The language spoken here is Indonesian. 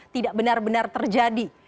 tidak benar benar terjadi